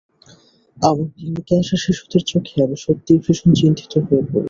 আমার ক্লিনিকে আসা শিশুদের দেখে আমি সত্যিই ভীষণ চিন্তিত হয়ে পড়ি।